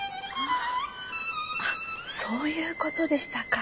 ああっそういうことでしたか。